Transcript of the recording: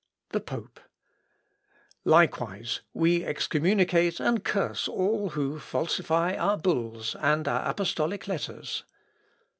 The Pope. "Likewise we excommunicate and curse all who falsify our bulls, and our apostolic letters...."